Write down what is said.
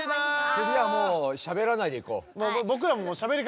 つぎはもうしゃべらないでいこう。